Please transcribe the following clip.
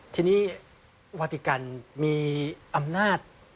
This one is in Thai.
ทีนี้วาติกันมีอำนาจ